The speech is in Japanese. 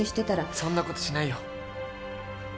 そんな事しないよ。